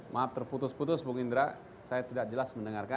maaf terputus putus bung indra saya tidak jelas mendengarkan